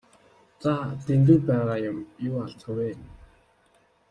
За Дэндэв байгаа юм юу алзах вэ?